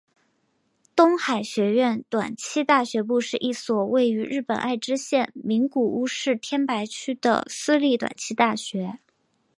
东海学园短期大学部是一所位于日本爱知县名古屋市天白区的私立短期大学。